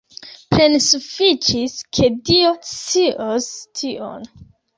Plene sufiĉis, ke Dio scios tion.